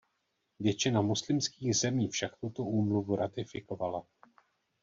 Většina muslimských zemí však tuto úmluvu ratifikovala.